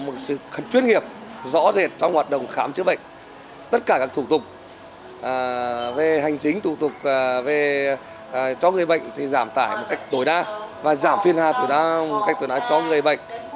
bệnh thì giảm tải một cách tối đa và giảm phiên hạ tối đa một cách tối đa cho người bệnh